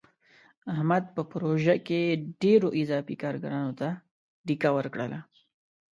احمد په پروژه کې ډېرو اضافي کارګرانو ته ډیکه ورکړله.